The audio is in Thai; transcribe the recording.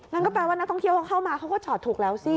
งั้นก็แปลว่านักท่องเที่ยวเขาเข้ามาเขาก็จอดถูกแล้วสิ